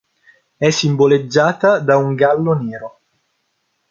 È simboleggiata da un gallo nero.